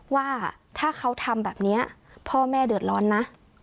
ว่าถ้าเขาทำแบบนี้พ่อแม่เดือดร้อนนะ